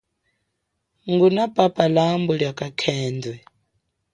Ngunapapa lambu lia kakhendwe.